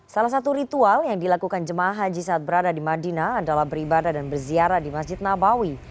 salah satu ritual yang dilakukan jemaah haji saat berada di madinah adalah beribadah dan berziarah di masjid nabawi